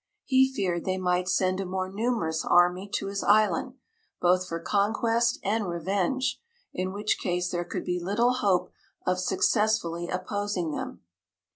He feared they might send a more numerous army to his island, both for conquest and revenge, in which case there could be little hope of successfully opposing them.